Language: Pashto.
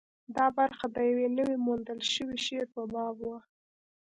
دا برخه د یوه نوي موندل شوي شعر په باب وه.